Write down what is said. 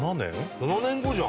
７年後じゃん。